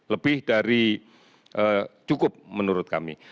lebih dari cukup menurut kami